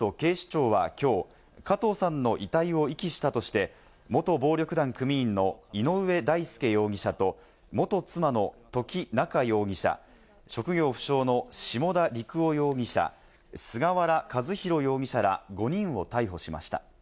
捜査関係者によりますと、警視庁はきょう加藤さんの遺体を遺棄したとして元暴力団組員の井上大輔容疑者と元妻の土岐菜夏容疑者、職業不詳の下田陸朗容疑者、菅原和宏容疑者ら５人を逮捕しました。